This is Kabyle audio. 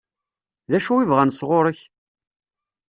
D acu i bɣan sɣur-k?